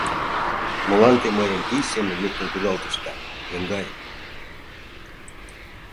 Молан те мыйым пий семын луктын кудалтышда, еҥгай?